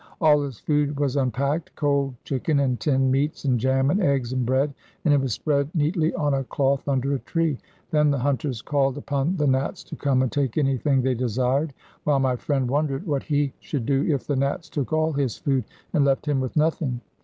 All his food was unpacked, cold chicken and tinned meats, and jam and eggs and bread, and it was spread neatly on a cloth under a tree. Then the hunters called upon the Nats to come and take anything they desired, while my friend wondered what he should do if the Nats took all his food and left him with nothing.